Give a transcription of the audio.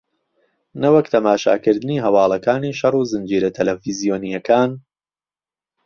نەوەک تەماشاکردنی هەواڵەکانی شەڕ و زنجیرە تەلەفزیۆنییەکان